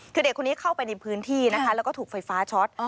คือเด็กคนนี้เข้าไปในพื้นที่นะคะแล้วก็ถูกไฟฟ้าช็อต